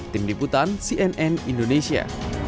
keputusan cnn indonesia